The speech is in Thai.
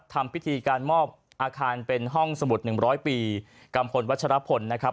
ทำพิธีการมอบอาคารเป็นห้องสมุดหนึ่งร้อยปีกัมพลวัชรพลนะครับ